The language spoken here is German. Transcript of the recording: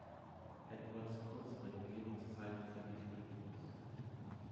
Eduards kurze Regierungszeit verlief glücklos.